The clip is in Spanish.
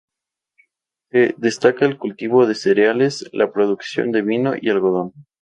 Se destaca el cultivo de cereales, la producción de vino y algodón.